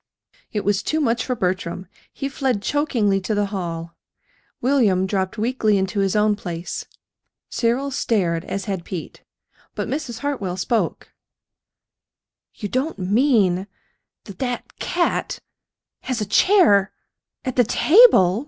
It was too much for Bertram. He fled chokingly to the hall. William dropped weakly into his own place. Cyril stared as had Pete; but Mrs. Hartwell spoke. "You don't mean that that cat has a chair at the table!"